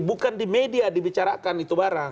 bukan di media dibicarakan itu barang